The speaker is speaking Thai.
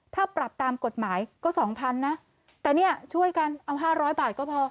ถ้าปรับตามกฎหมายก็๒๐๐๐นะแต่เนี่ยช่วยกันเอา๕๐๐บาทก็พอ